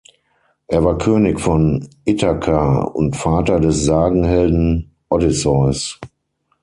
Er war König von Ithaka und Vater des Sagenhelden Odysseus.